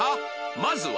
まずは